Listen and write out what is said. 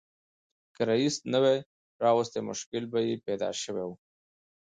که رییس نه وای راوستي مشکل به یې پیدا شوی و.